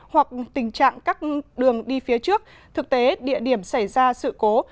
hoặc tình trạng các đường đi phía trước thực tế địa điểm xảy ra sự cố